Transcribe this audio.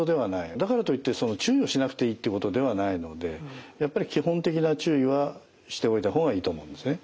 だからといって注意をしなくていいってことではないのでやっぱり基本的な注意はしておいた方がいいと思うんですね。